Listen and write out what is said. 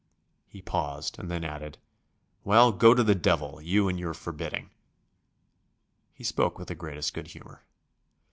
He paused, and then added: "Well, go to the devil, you and your forbidding." He spoke with the greatest good humour.